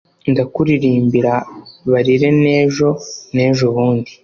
Ndakuririmba barire nejo nejobundi